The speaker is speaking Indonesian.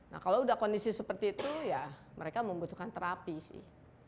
nah kalau udah kondisi seperti itu ya mereka membutuhkan terapi sih